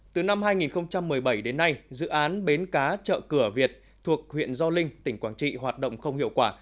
từ năm hai nghìn một mươi bảy đến nay dự án bến cá chợ cửa việt thuộc huyện gio linh tỉnh quảng trị hoạt động không hiệu quả